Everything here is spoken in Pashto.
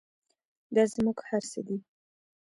دا زموږ هر څه دی؟